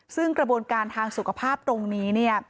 ซึ่งกระบวนการทางสุขภาพตรงนี้เนี่ย